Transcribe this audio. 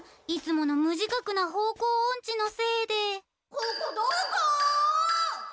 ここどこ！？